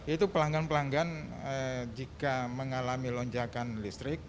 itu pelanggan pelanggan jika mengalami lonjakan listrik